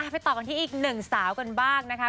ไปต่อกันที่อีก๑สาวกันบ้างนะครับ